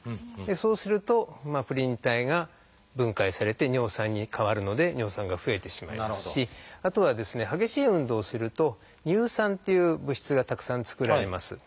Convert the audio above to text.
そうするとプリン体が分解されて尿酸に変わるので尿酸が増えてしまいますしあとはですね激しい運動をすると「乳酸」っていう物質がたくさん作られます。